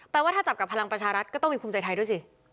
ว่าถ้าจับกับพลังประชารัฐก็ต้องมีภูมิใจไทยด้วยสิ